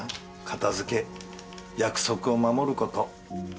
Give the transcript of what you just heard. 片付け約束を守ること。